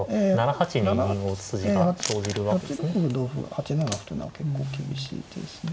８六歩同歩８七歩というのは結構厳しい手ですね。